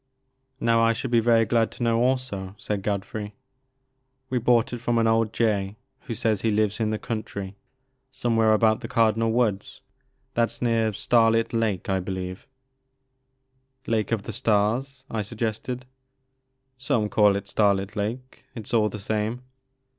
Now I should be very glad to know also,*' said Godfrey. We bought it from an old jay who says he lives in the country somewhere about the Cardinal Woods. That 's near Starlit Lake, I believe "Lake of the Stars ?'* I suggested. Some call it Starlit Lake, — ^it 's all the same.